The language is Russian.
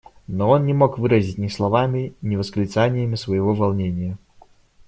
Но он не мог выразить ни словами, ни восклицаниями своего волнения.